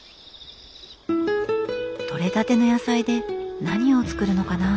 取れたての野菜で何を作るのかな？